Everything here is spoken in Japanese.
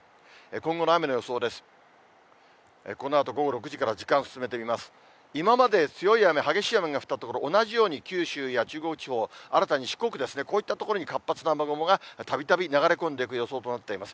今まで強い雨、激しい雨が降った所、同じように九州や中国地方、新たに四国ですね、こういった所に活発な雨雲がたびたび流れ込んでいく予想となっています。